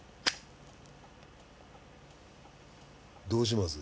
どうします？